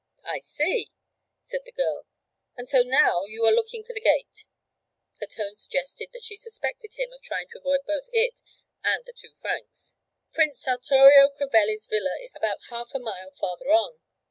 'I see!' said the girl, 'and so now you are looking for the gate?' Her tone suggested that she suspected him of trying to avoid both it and the two francs. 'Prince Sartorio Crevelli's villa is about half a mile farther on.'